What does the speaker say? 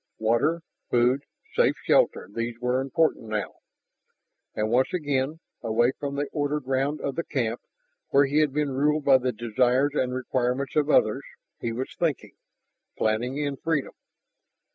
Water, food, safe shelter, those were important now. And once again, away from the ordered round of the camp where he had been ruled by the desires and requirements of others, he was thinking, planning in freedom.